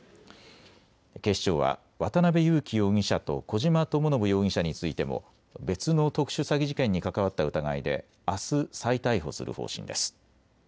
警視庁は渡邉優樹容疑者と小島智信容疑者についても別の特殊詐欺事件に関わった疑いであす再逮捕する方針です。